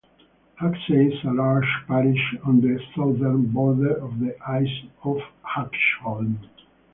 Haxey is a large parish on the southern border of the Isle of Axholme.